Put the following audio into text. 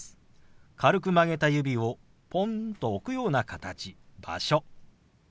軽く曲げた指をポンと置くような形「場所」。